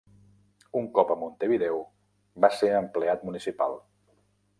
Un cop a Montevideo, va ser empleat municipal.